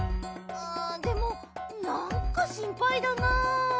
ああでもなんかしんぱいだなあ。